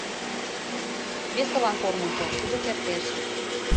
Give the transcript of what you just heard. Весылан корным пу, кудо кертеш.